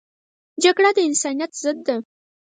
جګړه د انسانیت ضد ده